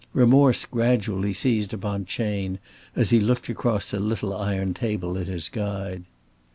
Remorse gradually seized upon Chayne as he looked across the little iron table at his guide.